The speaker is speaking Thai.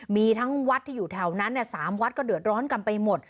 มีทั้งวัดที่อยู่แถวนั้น๓วัดก็เดือดร้อนกันไปหมด